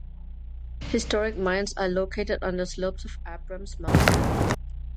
Historic mines are located on the slopes of Abrams Mountain.